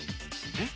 えっ？